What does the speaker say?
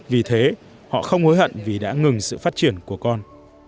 vì thế họ không hối hận vì đã ngừng sự phát triển của con